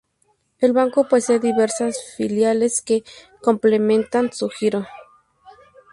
El Banco posee diversas filiales que complementan su giro.